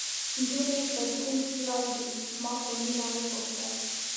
نجونې پر کوم خیال دي؟ ما په مینه وپوښتل.